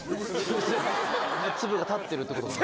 ・粒が立ってるってことかな？